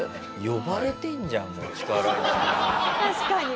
確かに。